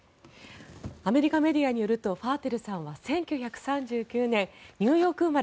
アメリカメディアによるとファーテルさんは１９３９年ニューヨーク生まれ。